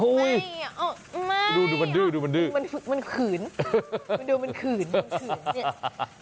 ดูดูมันดื้อดูมันดื้อมันขืนมันดูมันขืนมันขืนเนี่ย